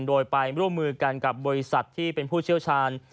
โดยไปร่วมมือกันกับบริษัทที่เป็นผู้เชี่ยวชาญ